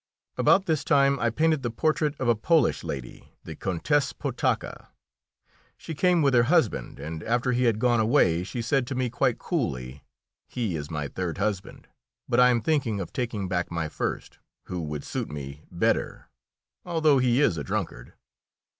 About this time I painted the portrait of a Polish lady, the Countess Potocka. She came with her husband, and after he had gone away she said to me quite coolly, "He is my third husband, but I am thinking of taking back my first, who would suit me better, although he is a drunkard."